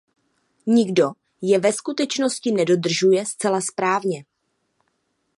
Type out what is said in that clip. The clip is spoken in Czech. Nikdo je ve skutečnosti nedodržuje zcela správně.